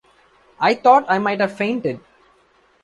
I thought I might have fainted.